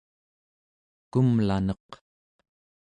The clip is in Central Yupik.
kumlaneq